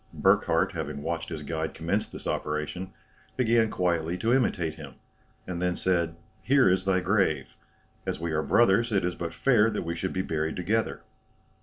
Burckhardt having watched his guide commence this operation, began quietly to imitate him, and then said, "Here is thy grave; as we are brothers, it is but fair that we should be buried together."